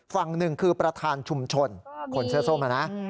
ฝั่งหนึ่งคือประธานชุมชนคนเสื้อส้มนะ